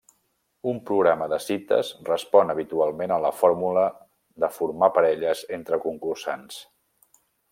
Un programa de cites respon habitualment a la fórmula de formar parelles entre concursants.